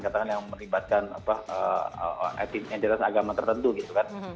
katakan yang melibatkan identitas agama tertentu gitu kan